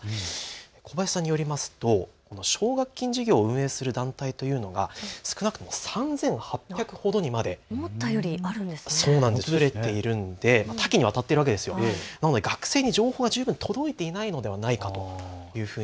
小林さんによると奨学金事業を運営する団体というのが少なくとも３８００ほどにまで増えているので多岐にわたっているわけですので学生に情報が十分届いていないのではないかというふうに。